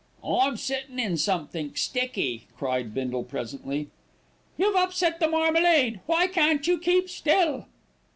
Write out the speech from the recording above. "I'm sittin' in somethink sticky," cried Bindle presently. "You've upset the marmalade. Why can't you keep still?"